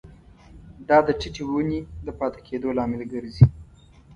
دا د ټیټې ونې د پاتې کیدو لامل ګرځي.